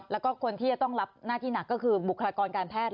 แล้วก็คนที่จะต้องรับหน้าที่หนักก็คือบุคลากรการแพทย์